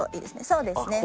そうですね。